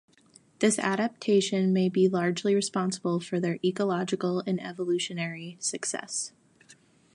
This adaptation may be largely responsible for their ecological and evolutionary success.